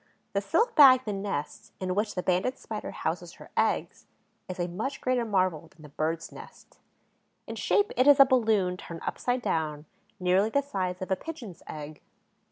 The silk bag, the nest, in which the Banded Spider houses her eggs, is a much greater marvel than the bird's nest. In shape it is a balloon turned upside down, nearly the size of a pigeon's egg.